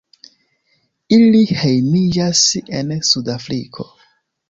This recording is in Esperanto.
Ili hejmiĝas en Suda Afriko.